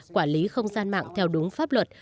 quản lý không gian mạng theo đúng pháp luật